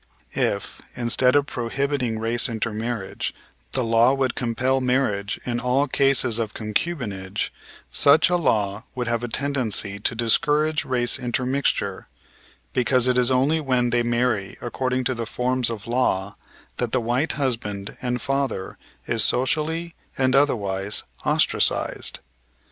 If, instead of prohibiting race intermarriage, the law would compel marriage in all cases of concubinage, such a law would have a tendency to discourage race intermixture; because it is only when they marry according to the forms of law that the white husband and father is socially and otherwise ostracized.